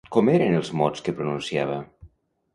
Com eren els mots que pronunciava?